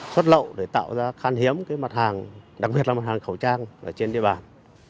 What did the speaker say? xuất lậu để tạo ra khan hiếm mặt hàng đặc biệt là mặt hàng khẩu trang trên địa bàn